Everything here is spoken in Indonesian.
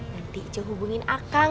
nanti icu hubungin akang